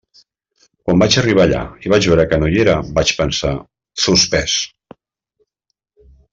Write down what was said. Quan vaig arribar allà i vaig veure que no hi era, vaig pensar: suspès.